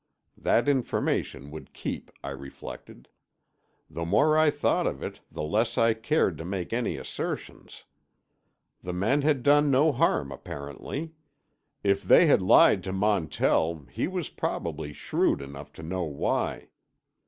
That information would keep, I reflected. The more I thought of it the less I cared to make any assertions. The men had done no harm apparently. If they had lied to Montell he was probably shrewd enough to know why.